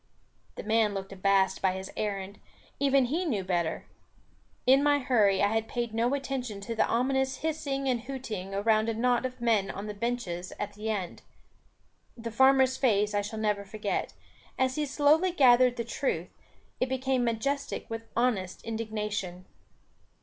The man looked abased by his errand; even he knew better. In my hurry I had paid no attention to the ominous hissing and hooting around a knot of men on the benches at the end. The farmer's face I shall never forget; as he slowly gathered the truth, it became majestic with honest indignation.